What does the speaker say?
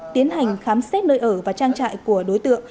tiến hành khám xét nơi ở và trang trại của đối tượng